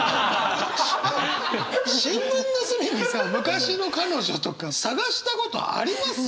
新聞の隅にさ昔の彼女とか探したことあります？